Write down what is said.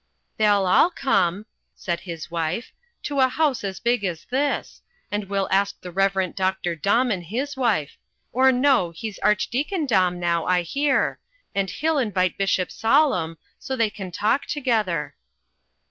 "They'll all come," said his wife, "to a house as big as this; and we'll ask the Rev. Dr. Domb and his wife or, no, he's Archdeacon Domb now, I hear and he'll invite Bishop Sollem, so they can talk together."